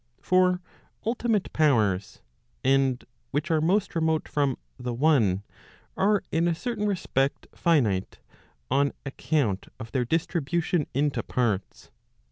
For ultimate powers, and which are most remote from the one , are in a certain respect finite, on account of their distribution into parts.